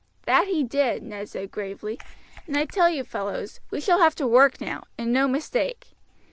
"That he did," Ned said gravely; "and I tell you, fellows, we shall have to work now, and no mistake.